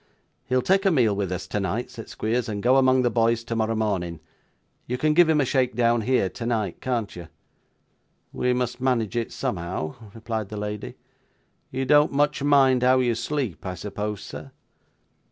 'He'll take a meal with us tonight,' said Squeers, 'and go among the boys tomorrow morning. You can give him a shake down here, tonight, can't you?' 'We must manage it somehow,' replied the lady. 'You don't much mind how you sleep, I suppose, sir?